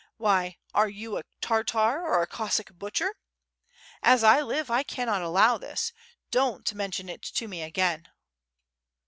Why, are you a Tartar or a Cossack butcher! as I live I cannot allow this! Don't mention it to me again!"